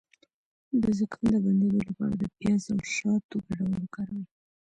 د زکام د بندیدو لپاره د پیاز او شاتو ګډول وکاروئ